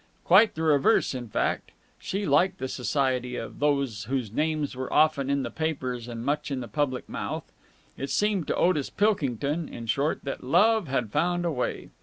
Quite the reverse, in fact. She liked the society of those whose names were often in the papers and much in the public mouth. It seemed to Otis Pilkington, in short, that Love had found a way.